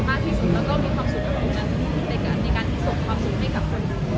แม่นเฮดไปรัมต้าวน